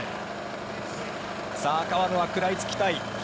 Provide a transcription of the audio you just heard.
川野は食らいつきたい。